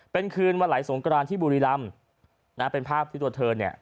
เป็นคืนวันไหลสงกรานที่บุรีรำนะเป็นภาพที่ตัวเธอเนี่ย